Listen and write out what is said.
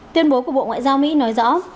tuyên bố của bộ ngoại giao mỹ nói rõ